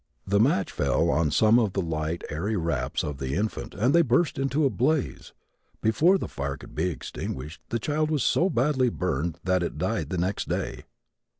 The match fell on some of the light, airy wraps of the infant and they burst into a blaze. Before the fire could be extinguished the child was so badly burned that it died the next day.